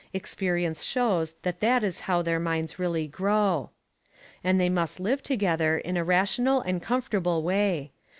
Experience shows that that is how their minds really grow. And they must live together in a rational and comfortable way.